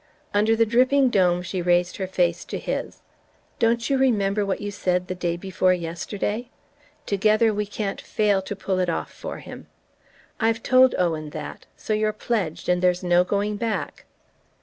Under the dripping dome she raised her face to his. "Don't you remember what you said the day before yesterday? 'Together we can't fail to pull it off for him!' I've told Owen that, so you're pledged and there's no going back."